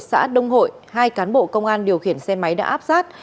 xã đông hội hai cán bộ công an điều khiển xe máy đã áp sát